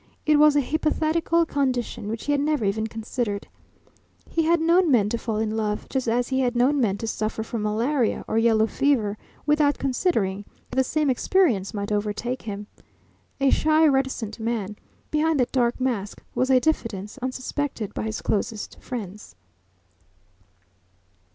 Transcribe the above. It was a hypothetical condition which he had never even considered. He had known men to fall in love, just as he had known men to suffer from malaria or yellow fever, without considering that the same experience might overtake him. A shy, reticent man, behind that hard mask was a diffidence unsuspected by his closest friends.